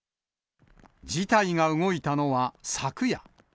事態が動いたのは昨夜。